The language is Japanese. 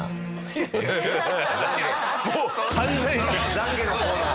ざんげのコーナー？